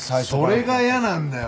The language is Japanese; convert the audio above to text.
それが嫌なんだよ